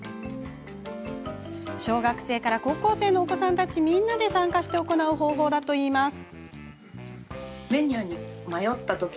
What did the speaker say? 小学生から高校生のお子さんたちみんなで参加して行う方法だといいます。